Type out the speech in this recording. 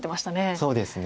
そうですね。